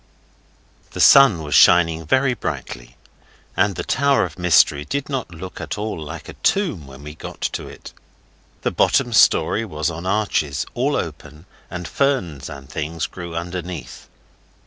The sun was shining very brightly, and the Tower of Mystery did not look at all like a tomb when we got to it. The bottom Storey was on arches, all open, and ferns and things grew underneath.